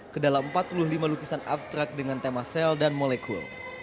ke dalam empat puluh lima lukisan abstrak dengan tema sel dan molekul